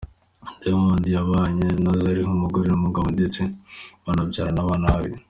Diamond yabanye na Zari nk’umugore n’umugabo ndetse banabyarana abana babiri.